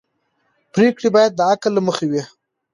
پرېکړې باید د عقل له مخې وي